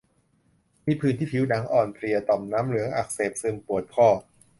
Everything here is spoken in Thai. มีผื่นที่ผิวหนัง อ่อนเพลีย ต่อมน้ำเหลืองอักเสบ ซึม ปวดข้อ